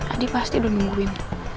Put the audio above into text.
adi pasti udah nungguin